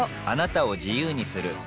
あなたを自由にする